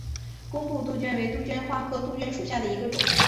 工布杜鹃为杜鹃花科杜鹃属下的一个种。